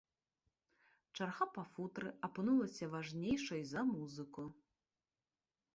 Чарга па футры апынулася важнейшай за музыку.